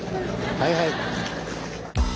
はいはい。